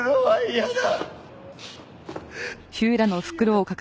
嫌だ。